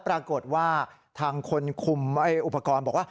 ปรากฏว่าทางคนคุมอุปกรณ์บอกว่า